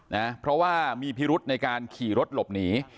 นะเพราะว่ามีพิรุธในการขี่รถหลบหนี